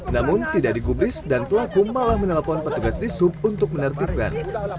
namun tidak digubris dan pelaku malah menelpon petugas di sub untuk menertibkan